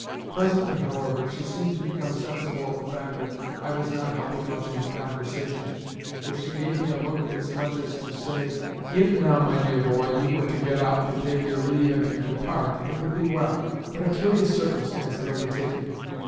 Presently, however, she seemed to become sensible of the fact that I was not helping much in the conversation, for she gave me a look as much as to say: "If, now, my dear boy, you were to get up, to take your leave, and to depart, it would be well." But a curious circumstance had overtaken me.